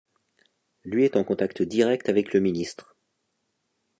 Lui est en contact direct avec le ministre.